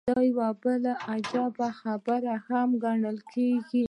دا يوه بله عجيبه خبره هم ګڼل کېږي.